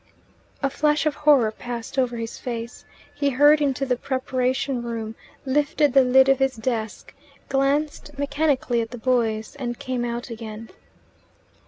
A flash of horror passed over his face. He hurried into the preparation room, lifted the lid of his desk, glanced mechanically at the boys, and came out again.